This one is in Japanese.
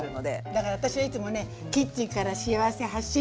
だから私はいつもねキッチンから幸せ発信。